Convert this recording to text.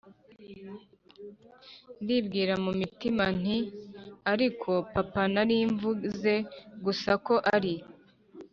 Ndibwira mu mutima nti ariko papa nari mvuze gusa ko ari